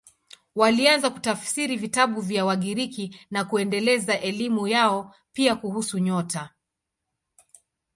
Walianza kutafsiri vitabu vya Wagiriki na kuendeleza elimu yao, pia kuhusu nyota.